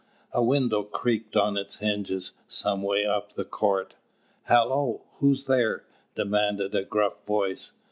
A window creaked on its hinges, some way up the court. "Hallo! Who's there?" demanded a gruff voice.